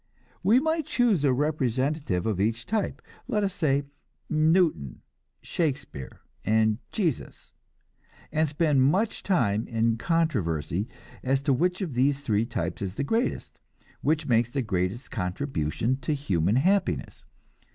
We might choose a representative of each type let us say Newton, Shakespeare and Jesus and spend much time in controversy as to which of the three types is the greatest, which makes the greatest contribution to human happiness.